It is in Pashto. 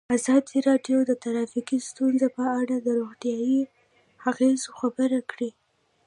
ازادي راډیو د ټرافیکي ستونزې په اړه د روغتیایي اغېزو خبره کړې.